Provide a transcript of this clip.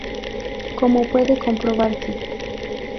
Como puede comprobarse